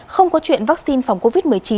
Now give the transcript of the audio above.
không có chuyện vaccine phòng covid một mươi chín